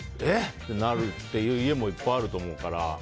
ってなるっていう家もいっぱいあると思うから。